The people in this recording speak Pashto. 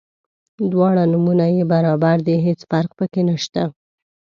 دواړه نومونه یې برابر دي هیڅ فرق په کې نشته.